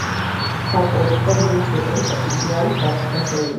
ცა მტრედისფერ, ლურჯ სვეტებით ისე არის დასერილი